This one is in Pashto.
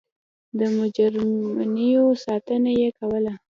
د مجرمینو ساتنه یې کوله.